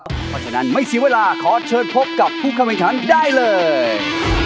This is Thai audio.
เพราะฉะนั้นไม่เสียเวลาขอเชิญพบกับผู้เข้าแข่งขันได้เลย